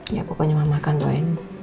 ya pokoknya mama akan doain